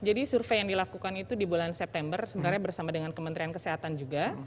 jadi survei yang dilakukan itu di bulan september sebenarnya bersama dengan kementerian kesehatan juga